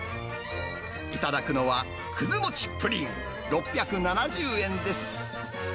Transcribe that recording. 頂くのは、くず餅プリン６７０円です。